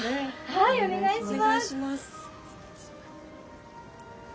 はいお願いします。